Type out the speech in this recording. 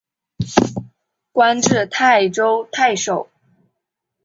官至泰州太守。